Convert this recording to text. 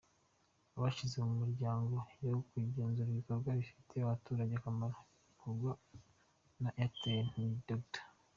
Abashyizwe mu myanya yo kugenzura ibikorwa bifitiye abaturage akamaro bikorwa na Airtel ni Dr.